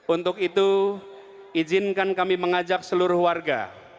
untuk itu izinkan kami mengajak seluruh warga